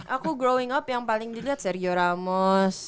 aku growing up yang paling dilihat serio ramos